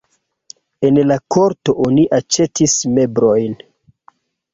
En la korto oni aĉetis meblojn.